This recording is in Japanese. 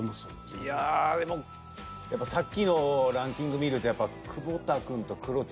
いやでもやっぱさっきのランキング見ると。